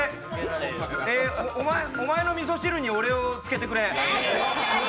おまえのみそ汁に俺をつけてくれ。